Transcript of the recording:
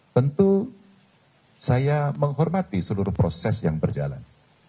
tentu saya menghormati seluruh proses yang berjalan